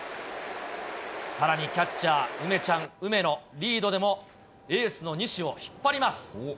さらにキャッチャー、梅ちゃん、梅野、リードでもエースの西を引っ張ります。